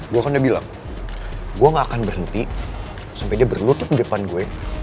gua kan udah bilang gua ga akan berhenti sampe dia berlutut depan gue